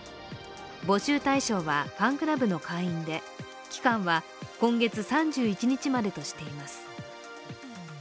募集対象はファンクラブの会員で期間は今月３１日までとしています。